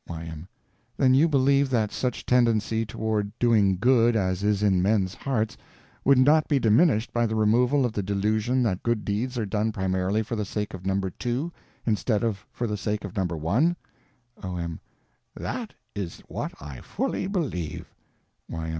Y.M. Then you believe that such tendency toward doing good as is in men's hearts would not be diminished by the removal of the delusion that good deeds are done primarily for the sake of No. 2 instead of for the sake of No. 1? O.M. That is what I fully believe.